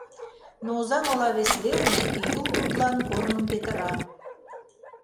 Но Озаҥ ола вес велне Юл тудлан корным петыра